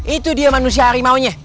itu dia manusia harimau nya